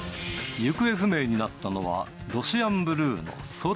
行方不明になったのは、ロシアンブルーの宙。